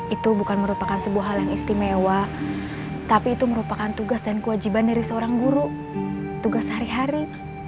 itu bukan merupakan sebuah hal yang istimewa tapi itu merupakan tugas dan kewajiban dari seorang guru tugas hari hari